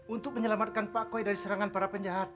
untuk menyelamatkan pak koi dari serangan para penjahat